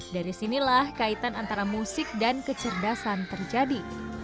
dari sinilah kaitan antara musik dan kecerdasan terjadi